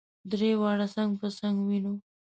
درې واړه څنګ په څنګ وینو.